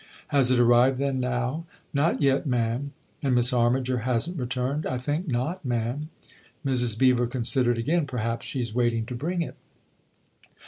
" Has it arrived, then, now ?"" Not yet, ma'am." "And Miss Armiger hasn't returned ?"" I think not, ma'am." Mrs. Beever considered again. " Perhaps she's waiting to bring it."